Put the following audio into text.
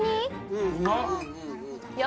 うんうまっ・や